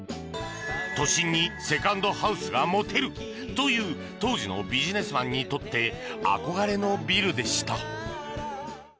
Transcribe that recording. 都心にセカンドハウスが持てるという当時のビジネスマンにとって憧れのビルでした。